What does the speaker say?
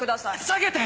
下げて！